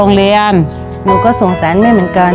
เนี่ยก็สงสารเนี่ยเหมือนกัน